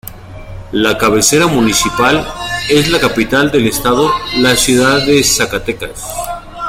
La cabecera municipal es la capital del estado, la ciudad de Zacatecas.